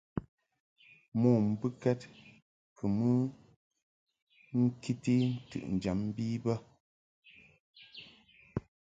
Mo mbɨkɛd kɨ mɨ ŋkiti ntɨʼnjam bi bə.